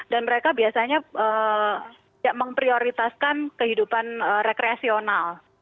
dan mereka biasanya memprioritaskan kehidupan rekreasional